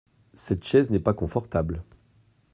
Cette chaise n’est pas confortable.